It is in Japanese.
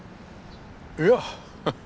いや。